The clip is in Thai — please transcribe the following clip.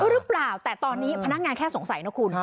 หรือเปล่าแต่ตอนนี้พนักงานแค่สงสัยนะคุณ